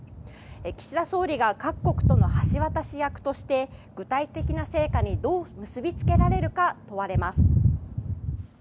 岸田総理が各国との橋渡し役として具体的な成果にどう結びつけられるか問われます。